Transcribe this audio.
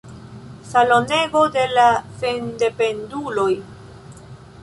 Salonego de la sendependuloj.